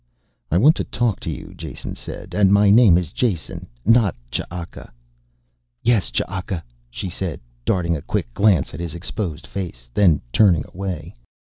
"I want to talk to you," Jason said. "And my name is Jason, not Ch'aka." "Yes, Ch'aka," she said, darting a quick glance at his exposed face, then turning away.